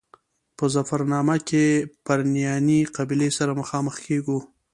په ظفرنامه کې پرنیاني قبیلې سره مخامخ کېږو.